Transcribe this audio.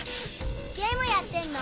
ゲームやってんの？